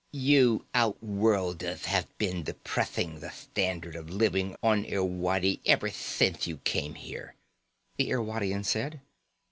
"You outworlderth have been deprething the thandard of living on Irwadi ever thince you came here," the Irwadian said.